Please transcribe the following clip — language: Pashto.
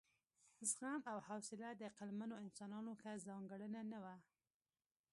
زغم او حوصله د عقلمنو انسانانو ښه ځانګړنه نه وه.